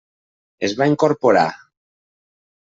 Es va incorporar.